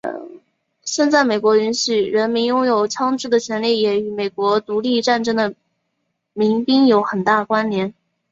现在美国允许人民拥有枪枝的权利也与美国独立战争的民兵有很大关联。